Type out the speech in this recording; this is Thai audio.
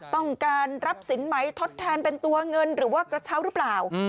ต้องการรับสินไหมทดแทนเป็นตัวเงินหรือว่ากระเช้าหรือเปล่า